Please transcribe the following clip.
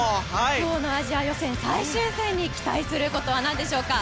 今日のアジア予選最終戦に期待することは何でしょうか？